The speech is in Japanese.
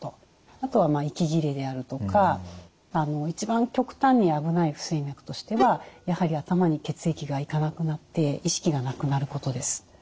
あとは息切れであるとか一番極端に危ない不整脈としてはやはり頭に血液が行かなくなって意識がなくなることです。